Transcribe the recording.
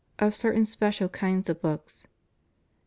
Of Certain Special Kinds of Books.